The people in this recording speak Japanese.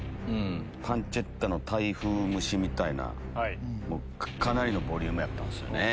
パンチェッタのタイ風蒸しかなりのボリュームやったんすよね。